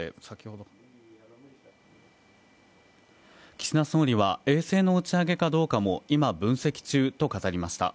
岸田総理は衛星の打ち上げかどうかも今、分析中と語りました。